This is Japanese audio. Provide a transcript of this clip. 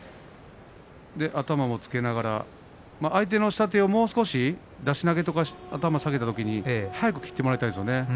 頭をつけながら相手の人たちをもう少し出し投げとか頭を下げたときに早く切ってもらいたいですね。